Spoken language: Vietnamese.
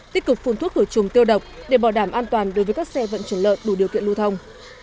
tích cực phun thuốc khử trùng tiêu độc để bảo đảm an toàn đối với các xe vận chuyển lợn đủ điều kiện lưu thông